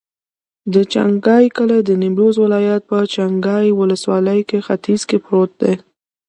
د چنګای کلی د نیمروز ولایت، چنګای ولسوالي په ختیځ کې پروت دی.